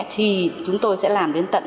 thì chúng tôi sẽ làm đến tận